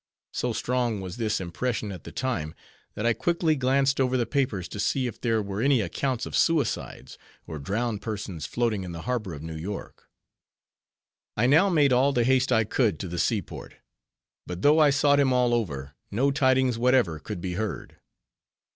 So strong was this impression at the time, that I quickly glanced over the papers to see if there were any accounts of suicides, or drowned persons floating in the harbor of New York. I now made all the haste I could to the seaport, but though I sought him all over, no tidings whatever could be heard.